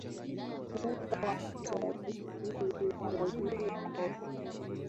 muda wakati wa vita hii ya wenyewe kwa wenyewe